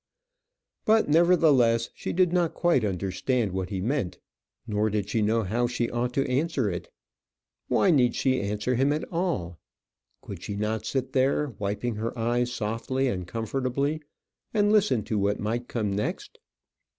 But, nevertheless, she did not quite understand what he meant, nor did she know how she ought to answer it. Why need she answer him at all? Could she not sit there, wiping her eyes softly and comfortably, and listen to what might come next?